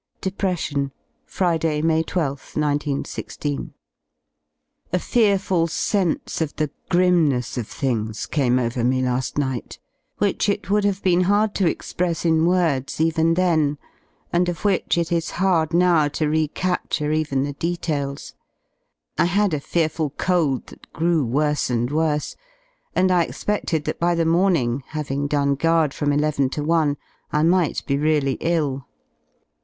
DEPRESSION Friday, May I2th, 1916. A fea rful senseof thcgrimnessof things came over mela^ ni^ht, which it woTiH have been hard to express in words even then, and of which it is hard now to recapture even the details. I had a fearful cold that grew worse and worse, and I expefted that by the morning, having done guard from eleven to one, I might be really ill.